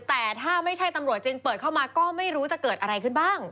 แต่ถ้าไม่ใช่ตำรวจจริงเปิดเข้ามาก็ไม่รู้จะเกิดอะไรขึ้นบ้าง